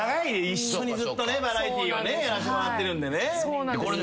一緒にずっとねバラエティーをねやらせてもらってるんでね。